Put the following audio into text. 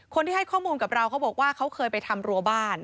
คนที่ให้ข้อมูลกับเราเขาบอกว่าเขาเคยไปทำรัวบ้าน